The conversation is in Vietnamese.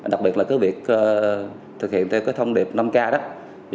đặc biệt là cái việc thực hiện theo cái thông điệp năm k đó